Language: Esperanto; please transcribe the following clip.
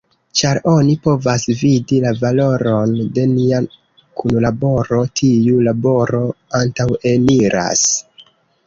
Ĉar oni povas vidi la valoron de nia kunlaboro, tiu laboro antaŭeniras.